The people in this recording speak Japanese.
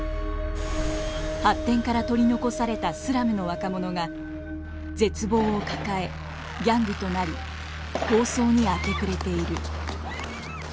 発展から取り残されたスラムの若者が絶望を抱えギャングとなり抗争に明け暮れている。